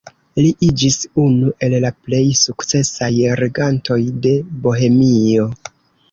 Li iĝis unu el la plej sukcesaj regantoj de Bohemio.